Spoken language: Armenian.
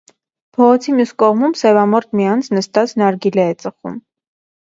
Փողոցի մյուս կողմում սևամորթ մի անձ նստած նարգիլե է ծխում։